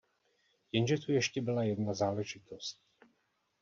Jenže tu ještě byla jedna záležitost.